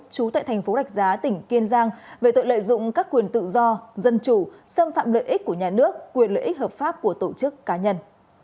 trú tại thành phố đạch giá tỉnh kiên giang về tội lợi dụng các quyền tự do dân chủ xâm phạm lợi ích của nhà nước quyền lợi ích hợp pháp của tổ chức cá nhân